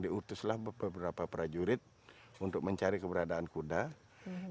diutuslah beberapa prajurit untuk mencari keberadaan kuda